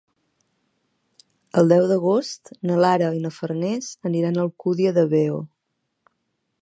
El deu d'agost na Lara i na Farners aniran a l'Alcúdia de Veo.